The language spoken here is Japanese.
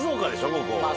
ここ。